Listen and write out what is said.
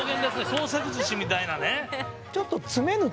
創作寿司みたいなね！